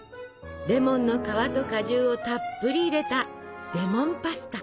レモンの皮と果汁をたっぷり入れたレモンパスタ！